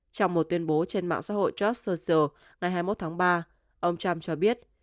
trong một tuyên bố trên mạng xã hội jors social ngày hai mươi một tháng ba ông trump cho biết